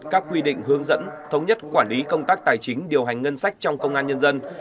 các quy định hướng dẫn thống nhất quản lý công tác tài chính điều hành ngân sách trong công an nhân dân